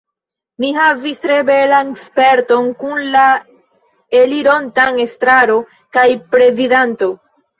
Mi havis tre belan sperton kun la elironta Estraro kaj Prezidanto.